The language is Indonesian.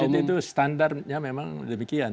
jadi itu standarnya memang demikian